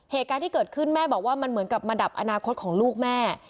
เหตุการณ์ที่เกิดขึ้นแม่บอกว่ามันเหมือนกับมาดับอนาคตของลูกแม่